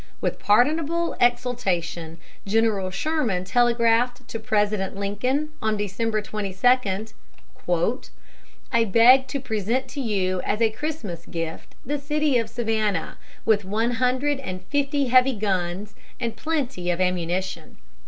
With pardonable exultation General Sherman telegraphed to President Lincoln on December 22: "I beg to present to you as a Christmas gift the city of Savannah, with one hundred and fifty heavy guns and plenty of ammunition.